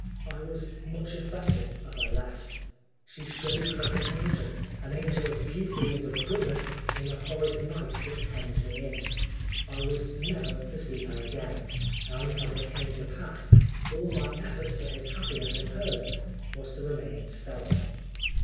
I was much affected as I left. She showed 202 Oscar Wilde like an angel an angel of beauty and of goodness in the horrid night that hemmed me in. I was never to see her again ; and as it came to pas's, all my effort for his happiness and hers was to remain sterile.